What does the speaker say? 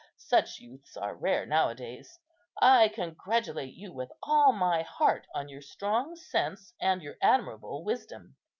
Such youths are rare now a days. I congratulate you with all my heart on your strong sense and your admirable wisdom.